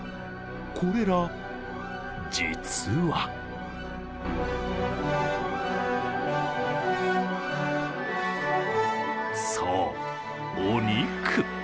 これら、実はそう、お肉。